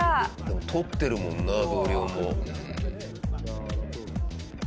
撮ってるもんな同僚も。